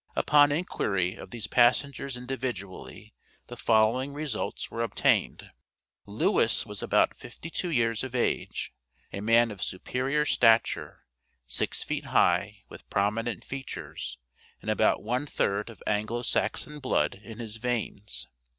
Upon inquiry of these passengers individually, the following results were obtained: Lewis was about fifty two years of age, a man of superior stature, six feet high, with prominent features, and about one third of Anglo Saxon blood in his veins.